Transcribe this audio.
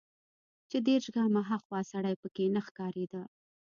چې دېرش ګامه ها خوا سړى پکښې نه ښکارېده.